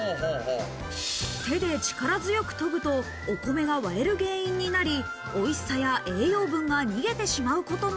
手で力強く研ぐとお米が割れる原因になり、おいしさや栄養分が逃げてしまうことも。